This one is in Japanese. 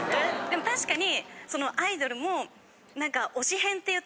あ確かに。